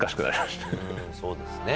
そうですね